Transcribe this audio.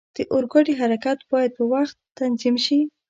د اورګاډي حرکت باید په وخت تنظیم شي.